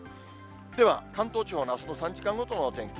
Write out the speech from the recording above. では、関東地方のあすの３時間ごとのお天気。